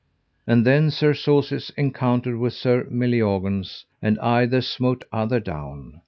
And then Sir Sauseise encountered with Sir Meliagaunce, and either smote other down.